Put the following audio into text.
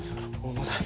重たい。